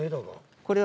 これは。